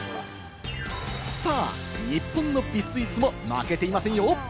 日本の美スイーツも負けていませんよ。